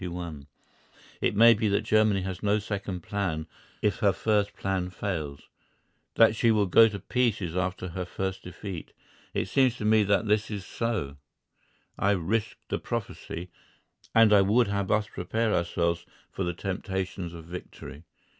It may be that Germany has no second plan if her first plan fails; that she will go to pieces after her first defeat. It seems to me that this is so—I risk the prophecy, and I would have us prepare ourselves for the temptations of victory.